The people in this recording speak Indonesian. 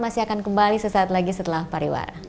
masih akan kembali sesaat lagi setelah pariwara